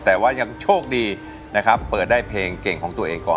แต่ว่ายังโชคดีนะครับเปิดได้เพลงเก่งของตัวเองก่อน